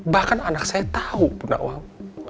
bahkan anak saya tahu bunda wang